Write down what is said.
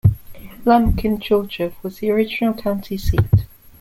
Lumpkin, Georgia was the original county seat.